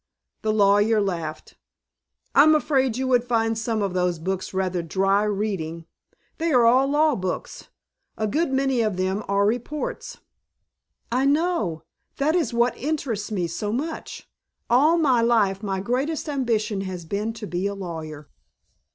The lawyer laughed. "I'm afraid you would find some of those books rather dry reading. They are all law books. A good many of them are reports." "I know. That is what interests me so much. All my life my greatest ambition has been to be a lawyer."